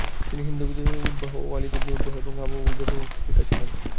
তিনি Hind bint Utbah, Walid ibn Utbah এবং আবু হুযাইফা ইবন উতবার পিতা ছিলেন।